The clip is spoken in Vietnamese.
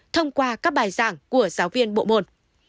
thông qua các bài giảng của giáo viên bộ môn